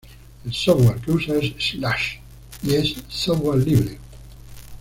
El software que usa es Slash y es software libre.